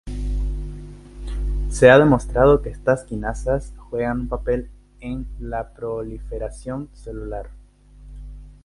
Se ha demostrado que estas quinasas juegan un papel en la proliferación celular.